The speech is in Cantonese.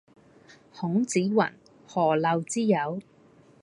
孔子云：「何陋之有？」